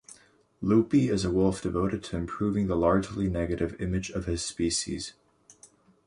Loopy is a wolf devoted to improving the largely negative image of his species.